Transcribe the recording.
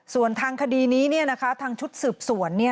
ส่วนทางคดีนี้ทางชุดสืบสวน